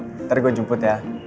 ntar gue jemput ya